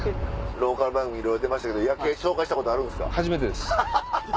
ローカル番組いろいろ出たけど夜景紹介したことあるんすか？